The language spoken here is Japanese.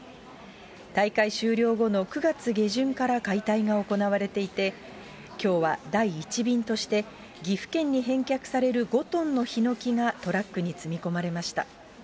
大会終了後の９月下旬から解体が行われていて、きょうは第１便として、岐阜県に返却される５トンのヒノキがトラックに積み込まれました。